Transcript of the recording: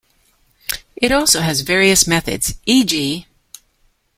It also has various methods, e.g.